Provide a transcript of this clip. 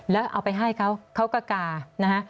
แล้วเอาไปให้เขาเขาก็กานะฮะ